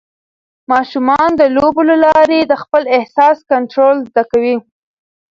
ماشومان د لوبو له لارې د خپل احساس کنټرول زده کوي.